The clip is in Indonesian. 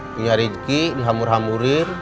punya rizky dihamur hamurin